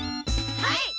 はい！